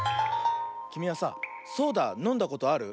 きみはさソーダのんだことある？